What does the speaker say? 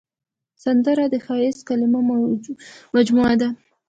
سندره د ښایسته کلماتو مجموعه ده